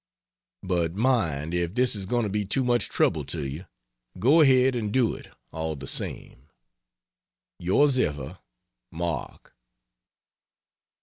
But mind, if this is going to be too much trouble to you go ahead and do it, all the same. Ys ever MARK.